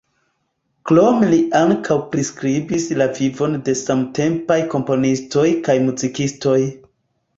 Krome li ankaŭ priskribis la vivon de samtempaj komponistoj kaj muzikistoj.